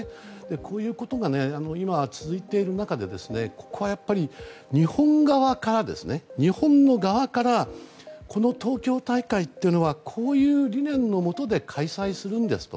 こういうことが今続いている中でここはやっぱり日本側からこの東京大会というのはこういう理念の下で開催するんですと。